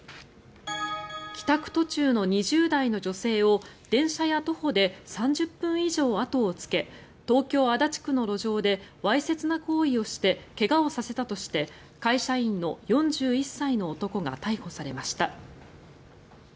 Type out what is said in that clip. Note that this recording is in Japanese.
帰宅途中の２０代の女性を電車や徒歩で３０分以上後をつけ東京・足立区の路上でわいせつな行為をして怪我をさせたとして会社員の４１歳の男が逮捕されました。